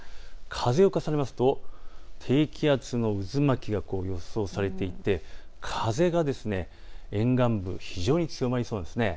風を重ねると低気圧の渦巻きが予想されていて風が沿岸部、非常に強まりそうです。